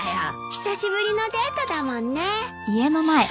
久しぶりのデートだもんね。